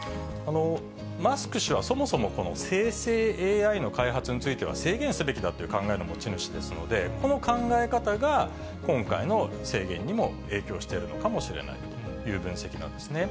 マスク氏はそもそも、生成ＡＩの開発については制限すべきだっていう考えの持ち主ですので、この考え方が今回の制限にも影響しているのかもしれないという分析なんですね。